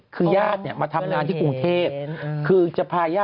คือญาติมาทำงานที่กรุงเทพฯ